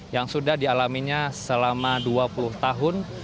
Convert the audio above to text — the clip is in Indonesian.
yang sudah dialaminya selama dua puluh tahun